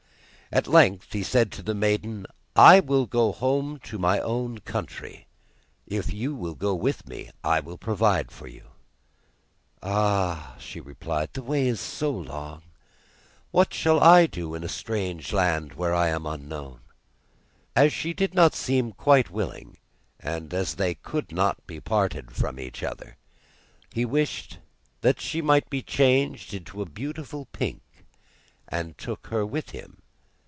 At length he said to the maiden: 'I will go home to my own country; if you will go with me, I will provide for you.' 'Ah,' she replied, 'the way is so long, and what shall I do in a strange land where I am unknown?' As she did not seem quite willing, and as they could not be parted from each other, he wished that she might be changed into a beautiful pink, and took her with him.